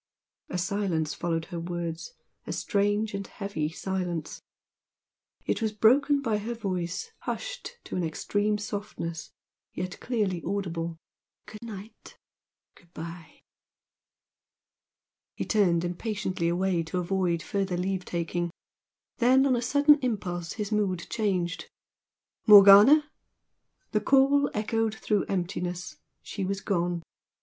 A silence followed her words, a strange and heavy silence. It was broken by her voice hushed to an extreme softness, yet clearly audible. "Good night! good bye!" He turned impatiently away to avoid further leave taking then, on a sudden impulse, his mood changed. "Morgana!" The call echoed through emptiness. She was gone.